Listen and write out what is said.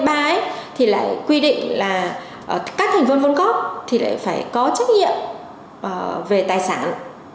tám mươi ba ấy thì lại quy định là các thành viên vốn góp thì lại phải có trách nhiệm về tài sản